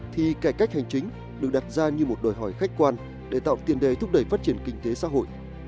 thì cải cách hành chính được đặt ra như một đòi hỏi khách quan để tạo tiền đề thúc đẩy phát triển kinh tế xã hội